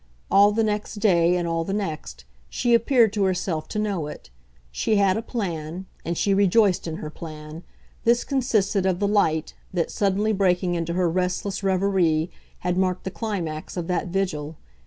All the next day, and all the next, she appeared to herself to know it. She had a plan, and she rejoiced in her plan: this consisted of the light that, suddenly breaking into her restless reverie, had marked the climax of that vigil.